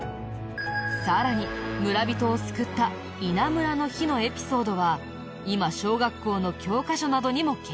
さらに村人を救った「稲むらの火」のエピソードは今小学校の教科書などにも掲載。